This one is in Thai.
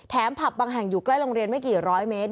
ผับบางแห่งอยู่ใกล้โรงเรียนไม่กี่ร้อยเมตร